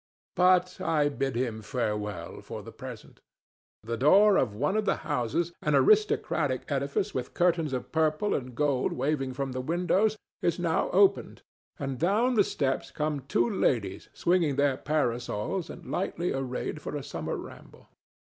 But I bid him farewell for the present. The door of one of the houses—an aristocratic edifice with curtains of purple and gold waving from the windows—is now opened, and down the steps come two ladies swinging their parasols and lightly arrayed for a summer ramble.